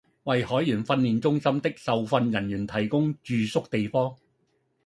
為海員訓練中心的受訓人員提供住宿地方